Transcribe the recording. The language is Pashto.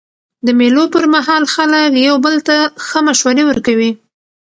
د مېلو پر مهال خلک یو بل ته ښه مشورې ورکوي.